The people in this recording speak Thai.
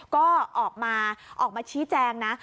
ก็ออกมาชี้แจงนะ